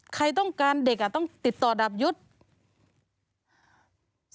ใครต้องการเด็กต้องติดต่อดาบยุทธ์